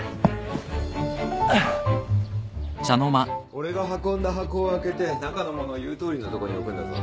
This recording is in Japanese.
俺が運んだ箱を開けて中のものを言うとおりのとこに置くんだぞ。